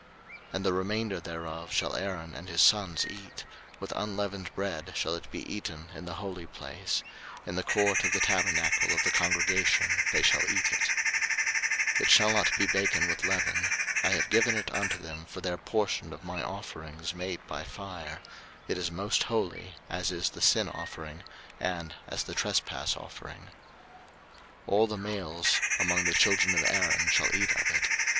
03:006:016 And the remainder thereof shall Aaron and his sons eat: with unleavened bread shall it be eaten in the holy place; in the court of the tabernacle of the congregation they shall eat it. 03:006:017 It shall not be baken with leaven. I have given it unto them for their portion of my offerings made by fire; it is most holy, as is the sin offering, and as the trespass offering. 03:006:018 All the males among the children of Aaron shall eat of it.